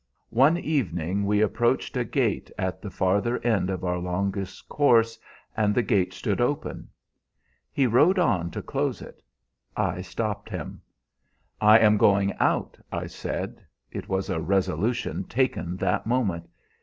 "One evening we approached a gate at the farther end of our longest course, and the gate stood open. He rode on to close it. I stopped him. 'I am going out,' I said. It was a resolution taken that moment.